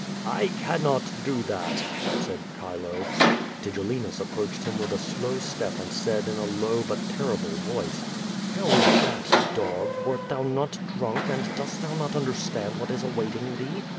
'' "I cannot do that," said Chilo. Tigellinus approached him with a slow step and said in a low but terrible voice: "How is that, dog, wert tliou not drunk and dost thou not understand what is awaiting thee?